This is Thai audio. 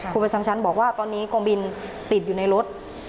ประจำชั้นบอกว่าตอนนี้กองบินติดอยู่ในรถ